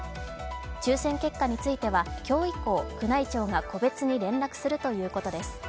抽選結果については今日以降、宮内庁が個別に連絡するということです。